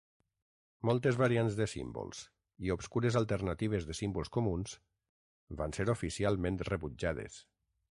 Moltes variants de símbols i obscures alternatives de símbols comuns van ser oficialment rebutjades.